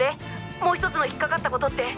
もう１つの引っかかった事って？